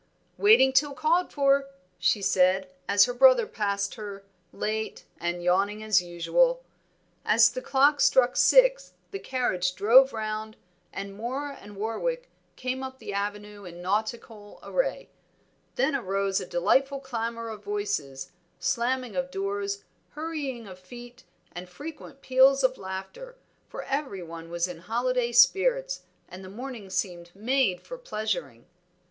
"Waiting till called for," she said, as her brother passed her, late and yawning as usual. As the clock struck six the carriage drove round, and Moor and Warwick came up the avenue in nautical array. Then arose a delightful clamor of voices, slamming of doors, hurrying of feet and frequent peals of laughter; for every one was in holiday spirits, and the morning seemed made for pleasuring. Mr.